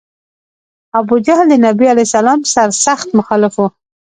ابوجهل د نبي علیه السلام سر سخت مخالف و.